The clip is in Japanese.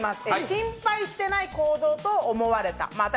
心配していない行動と思われた。